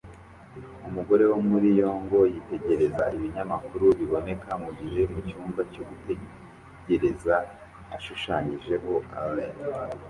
Umugore wo muri yong yitegereza ibinyamakuru biboneka mugihe mucyumba cyo gutegereza ashushanyijeho "Alain